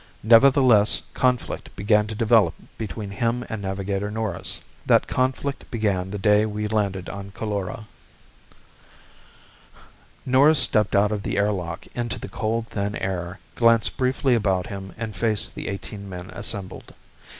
Nevertheless conflict began to develop between him and Navigator Norris. That conflict began the day we landed on Coulora. Norris stepped out of the air lock into the cold thin air, glanced briefly about him and faced the eighteen men assembled.